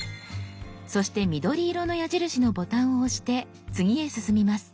そして緑色の矢印のボタンを押して次へ進みます。